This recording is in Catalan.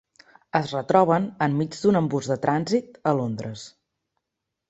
Es retroben enmig d'un embús de trànsit a Londres.